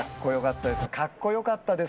かっこよかったです。